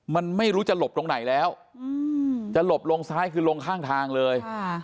มันไม่รู้จะหลบตรงไหนแล้วจะหลบลงซ้ายคือลงข้างทางเลย